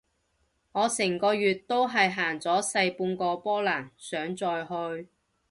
我成個月都係行咗細半個波蘭，想再去